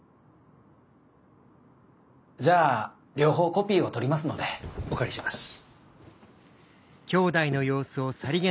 じゃあ両方コピーをとりますのでお借りします。